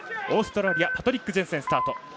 オーストラリアパトリック・ジェンセンスタート。